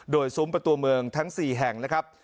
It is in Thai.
โดยซุ้มประตูเมืองทั้ง๔แห่งนะครับ